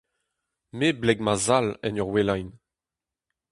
Me 'bleg va zal en ur ouelañ.